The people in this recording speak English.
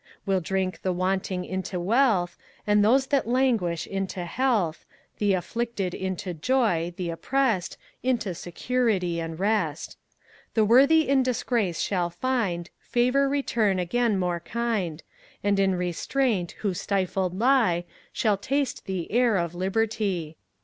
We'll drink the wanting into wealth, And those that languish into health, The afflicted into joy; th' opprest Into security and rest. The worthy in disgrace shall find Favour return again more kind, And in restraint who stifled lie, Shall taste the air of liberty.